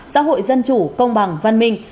xã hội dân chủ công bằng văn minh